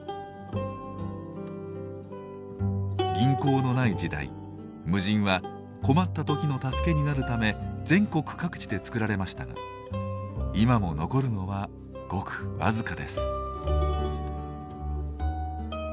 銀行のない時代無尽は困った時の助けになるため全国各地で作られましたが今も残るのはごく僅かです。